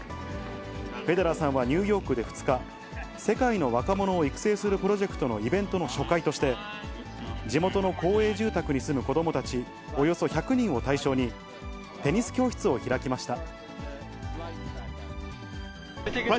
フェデラーさんはニューヨークで２日、世界の若者を育成するプロジェクトのイベントの初回として、地元の公営住宅に住む子どもたちおよそ１００人を対象に、テニス教室を開きました。